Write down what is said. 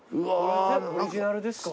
これオリジナルですか？